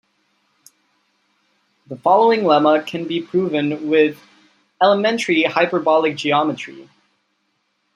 The following lemma can be proven with elementary hyperbolic geometry.